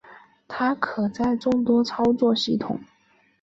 它可在众多操作系统。